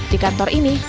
di kantor ini